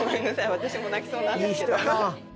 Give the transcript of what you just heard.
私も泣きそうなんですけど